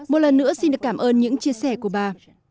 một lần nữa xin được cảm ơn những chia sẻ của bà